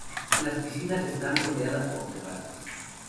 Las piscinas están rodeadas por terrazas.